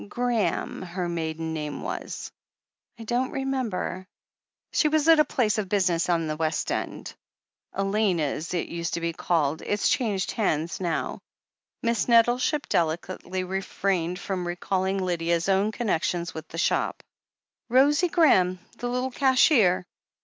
Graham, her maiden name was." *^ T ^4 ^^^0m 'A «a.«^a»^M ^^^a^^^^^^mm '' 1 don't remember "She was at a place of business in the West End — Elena's it used to be called. It's changed hands now." Miss Nettleship delicately refrained from recalling Lydia's own connection with the shop. Rosie Graham, the little cashier